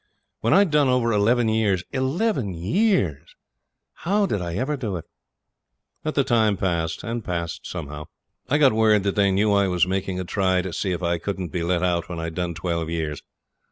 When I'd done over eleven years eleven years! how did I ever do it? but the time passed, and passed somehow I got word that they that I knew of was making a try to see if I couldn't be let out when I'd done twelve years.